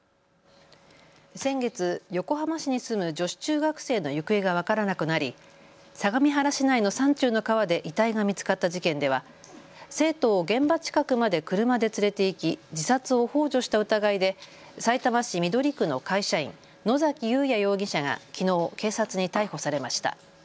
先月、横浜市に住む女子中学生の行方が分からなくなり相模原市内の山中の川で遺体が見つかった事件では生徒を現場近くまで車で連れて行き自殺をほう助した疑いでさいたま市緑区の会社員、野崎祐也容疑者がきのう警察に逮捕されました。